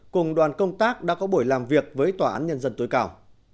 cùng đoàn công tác đã có buổi làm việc với tòa án nhân dân tối cao